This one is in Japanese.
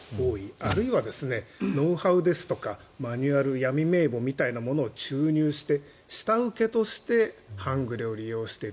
あるいはノウハウですとかマニュアル闇名簿みたいなものを注入して下請けとして半グレを利用している。